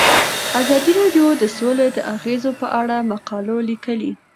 ازادي راډیو د سوله د اغیزو په اړه مقالو لیکلي.